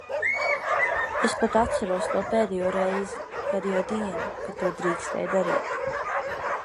Es pat atceros to pēdējo reizi, pēdējo dienu, kad to drīkstēja darīt.